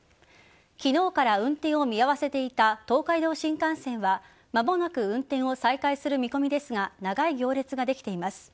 昨日から運転を見合わせていた東海道新幹線は間もなく運転を再開する見込みですが長い行列ができてます。